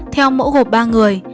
theo mẫu gộp ba người